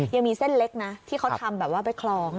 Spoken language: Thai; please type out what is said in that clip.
ยังมีเส้นเล็กนะที่เขาทำแบบว่าไปคล้อง